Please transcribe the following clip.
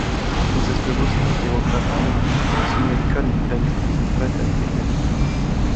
Uns ist bewusst, dass Demokratien nicht funktionieren können, wenn sie sich nicht weiterentwickeln.